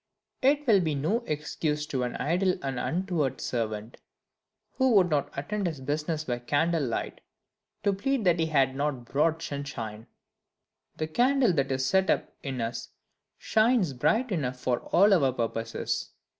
It will be no excuse to an idle and untoward servant, who would not attend his business by candle light, to plead that he had not broad sunshine. The Candle that is set up in us shines bright enough for all our purposes.